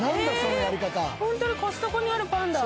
ホントにコストコにあるパンだ。